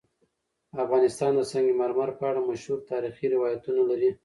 افغانستان د سنگ مرمر په اړه مشهور تاریخی روایتونه لري.